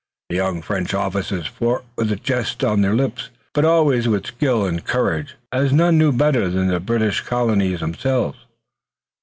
The young French officers fought with a jest on their lips, but always with skill and courage, as none knew better than the British colonials themselves.